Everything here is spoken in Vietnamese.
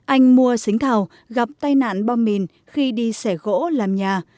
anh mua xính thảo gặp tai nạn bom mìn khi đi xẻ gỗ làm nhà